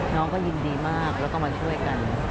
น้องก็ยินดีมากแล้วก็มาช่วยกัน